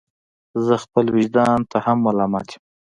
زه خپل ویجدان ته هم ملامت یم.